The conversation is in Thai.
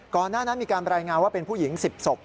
ก่อนหน้านั้นมีการรายงานว่าเป็นผู้หญิง๑๐ศพ